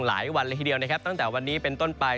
หลายวันเลยทีเดียวนะครับตั้งแต่วันนี้เป็นต้นไป